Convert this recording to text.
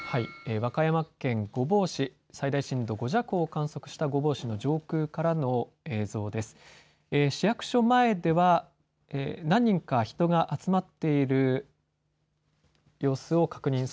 和歌山県御坊市、最大震度５弱を観測した御坊市の上空からの映像です。